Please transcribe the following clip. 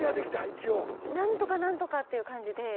一応。何とか何とかっていう感じで。